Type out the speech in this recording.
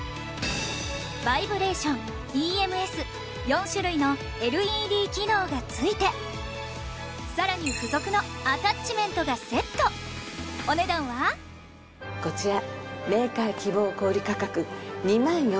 バイブレーションＥＭＳ４種類のＬＥＤ機能が付いてさらに付属のアタッチメントがセットお値段はこちら。